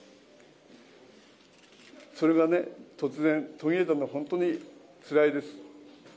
それがね、突然、途切れたのが本当につらいです。